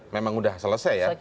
memang sudah selesai ya